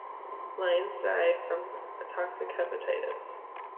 Lyons died from toxic hepatitis.